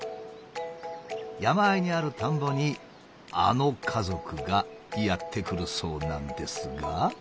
山あいにある田んぼにあの家族がやって来るそうなんですが。